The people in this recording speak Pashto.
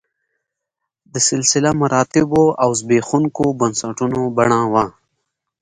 د سلسله مراتبو او زبېښونکو بنسټونو بڼه وه